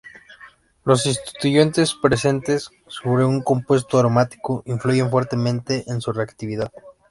Los sustituyentes presentes sobre un compuesto aromático influyen fuertemente en su "reactividad".